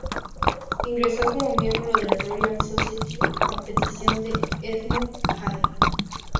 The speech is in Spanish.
Ingresó como miembro de la Royal Society a petición de Edmund Halley.